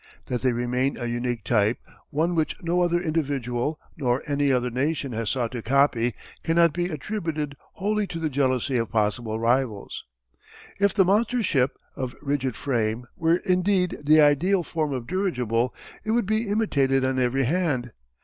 That they remain a unique type, one which no other individual nor any other nation has sought to copy, cannot be attributed wholly to the jealousy of possible rivals. If the monster ship, of rigid frame, were indeed the ideal form of dirigible it would be imitated on every hand.